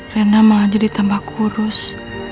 rena malah jadi tambah kurus